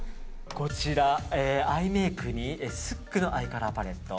こちらアイメイクにスックのアイカラーパレット。